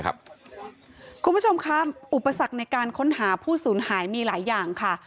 คุณผู้ชมคะอุปสรรคในการค้นหาผู้สูญหายมีหลายอย่างค่ะ